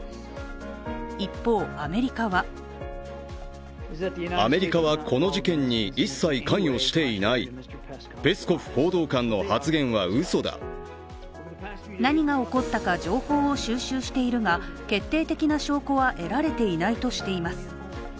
一方、アメリカは何が起こったか情報を収集しているが、決定的な証拠は得られていないとしています。